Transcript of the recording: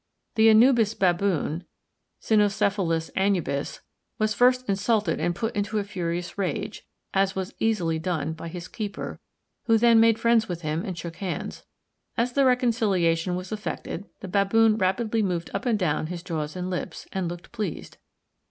The Anubis baboon (Cynocephalus anubis) was first insulted and put into a furious rage, as was easily done, by his keeper, who then made friends with him and shook hands. As the reconciliation was effected the baboon rapidly moved up and down his jaws and lips, and looked pleased.